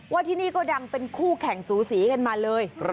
ที่นี่ก็ดังเป็นคู่แข่งสูสีกันมาเลย